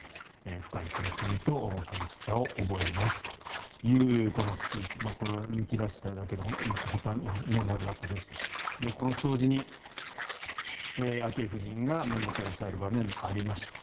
深い悲しみと寂しさを覚えますというこのスピーチこれは抜き出しただけで本当はもっと長かったですがこの弔事に昭恵夫人が目元を押さえる場面もありました。